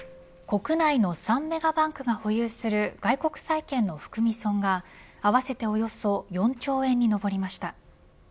国内の３メガバンクが保有する外国債券の含み損が合わせておよそ４兆円に上りました。